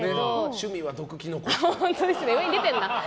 趣味は毒キノコって。